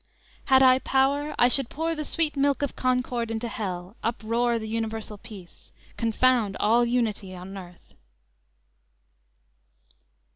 "_ _"Had I power, I should Pour the sweet milk of concord into hell, Uproar the universal peace, confound All Unity on earth."